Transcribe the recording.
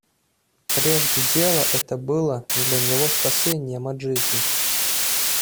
Прежде дело это было для него спасением от жизни.